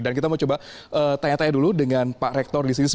dan kita mau coba tanya tanya dulu dengan pak rektor di sini